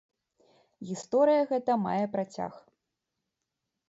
Гісторыя гэта мае працяг.